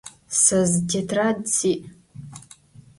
Se zı tetrad si'.